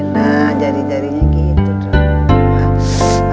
nah jari jarinya gitu dron